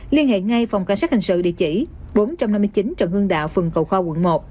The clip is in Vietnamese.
liên hệ ngay phòng cảnh sát hành sự địa chỉ bốn trăm năm mươi chín trần hương đạo phần cầu kho quận một